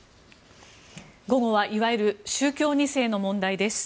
午後はいわゆる宗教２世の問題です。